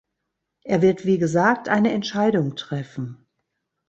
Er wird wie gesagt eine Entscheidung treffen.